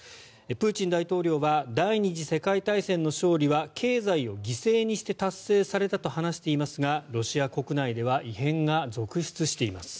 プーチン大統領は第２次世界大戦の勝利は経済を犠牲にして達成されたと話していますがロシア国内では異変が続出しています。